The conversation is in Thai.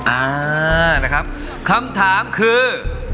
อ่านะครับคำถามคือ